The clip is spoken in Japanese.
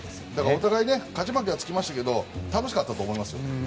お互い、勝ち負けはつきましたけど楽しかったと思います。